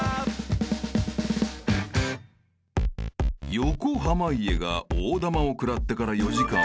［横濱家が大玉を食らってから４時間］